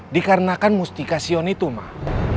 dikarenakan mustikasion itu mak